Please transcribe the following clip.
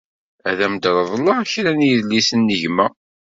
Ad am-reḍleɣ kra n yedlisen n gma.